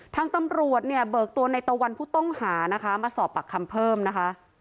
ทางตำรวจเนี่ยเบิกตัวในตะวันผู้ต้องหานะคะมาสอบปากคำเพิ่มนะคะ